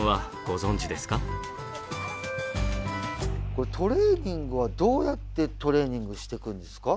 これトレーニングはどうやってトレーニングしていくんですか？